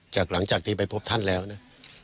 หลังจากที่ไปพบท่านแล้วนะ